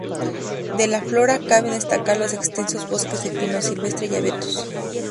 De la flora, caben destacar los extensos bosques de pino silvestre y abetos.